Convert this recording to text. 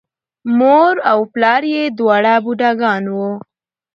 مور و پلار یې دواړه بوډاګان وو،